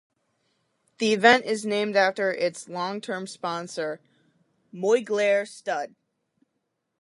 The event is named after its long-term sponsor, Moyglare Stud.